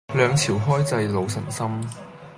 兩朝開濟老臣心